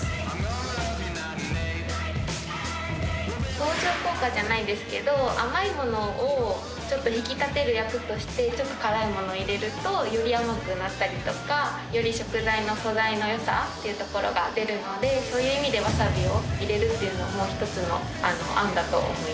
相乗効果じゃないですけど甘いものを引き立てる役としてちょっと辛いもの入れるとより甘くなったりとかより食材の素材の良さっていうところが出るのでそういう意味でワサビを入れるっていうのも一つの案だと思う。